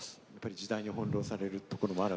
時代に翻弄されるところも。